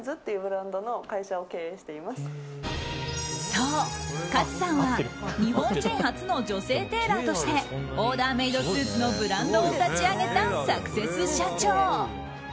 そう、勝さんは日本人初の女性テーラーとしてオーダーメイドスーツのブランドを立ち上げたサクセス社長。